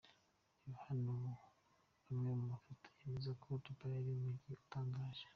Reba hano amwe mu mafoto yemeza ko Dubai ari umujyi utangaje.